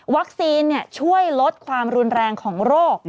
วัคซีนช่วยลดความรุนแรงของโรค